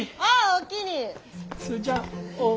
おおきに。